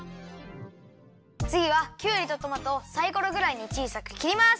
つぎはきゅうりとトマトをサイコロぐらいにちいさくきります。